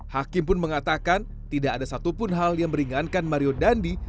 hakim pun mengatakan tidak ada satupun hal yang meringankan mario dandi